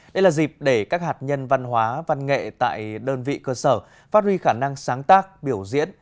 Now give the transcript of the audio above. đây là dịp để các hạt nhân văn hóa văn nghệ tại đơn vị cơ sở phát huy khả năng sáng tác biểu diễn